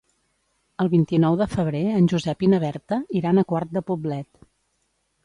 El vint-i-nou de febrer en Josep i na Berta iran a Quart de Poblet.